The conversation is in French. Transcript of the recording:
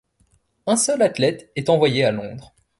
Un seul athlète est envoyé à Londres.